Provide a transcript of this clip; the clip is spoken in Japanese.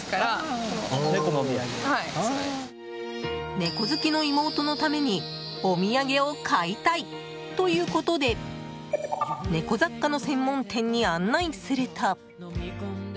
猫好きの妹のためにお土産を買いたいということで猫雑貨の専門店に案内すると。